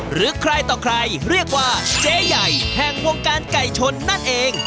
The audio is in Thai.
หรือใครต่อใครเรียกว่าเจ๊ใหญ่แห่งวงการไก่ชนนั่นเอง